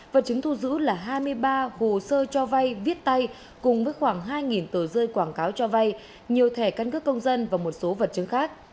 vật chứng thu giữ là hai mươi ba hồ sơ cho vay viết tay cùng với khoảng hai tờ rơi quảng cáo cho vay nhiều thẻ căn cước công dân và một số vật chứng khác